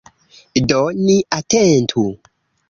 Do ni atentu.